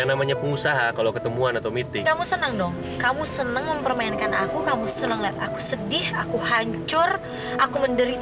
lama lama bapak bisa mati berdiri